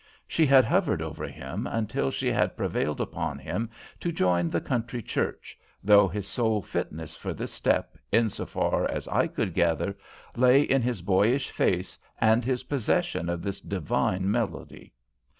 She had hovered over him until she had prevailed upon him to join the country church, though his sole fitness for this step, in so far as I could gather, lay in his boyish face and his possession of this divine melody.